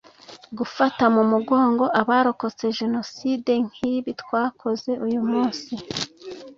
Gufata mu mugongo abarokotse Jenoside nk’ibi twakoze uyu munsi